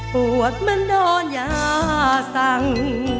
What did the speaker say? ปวดมันโดนยาสั่ง